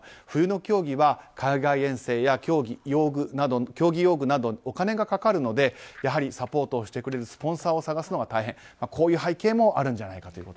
冬の競技は海外遠征や競技用具などお金がかかるのでやはりサポートをしてくれるスポンサーを探すのが大変こういう背景もあるんじゃないかと。